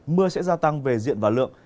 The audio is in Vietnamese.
mưa sẽ gia tăng về diện và lượng